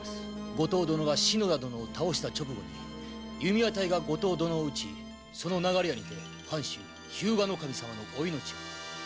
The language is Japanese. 五島殿が篠田殿を倒した直後に弓矢隊が五島殿を撃ち流れ矢にて藩主・日向守様のお命を。